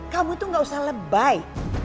kamu tuh gak usah lebay